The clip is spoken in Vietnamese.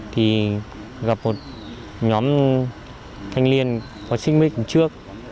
thì gặp một nhóm thanh niên có xích mít trước